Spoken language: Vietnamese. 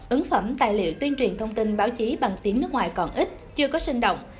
ấn phẩm tài liệu tuyên truyền thông tin báo chí bằng tiếng nước ngoài còn ít chưa có sinh động